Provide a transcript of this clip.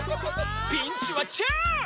ピンチはチャンス！